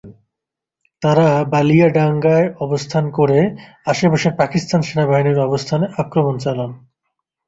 তারা বালিয়াডাঙ্গায় অবস্থান করে আশপাশের পাকিস্তান সেনাবাহিনীর অবস্থানে আক্রমণ চালান।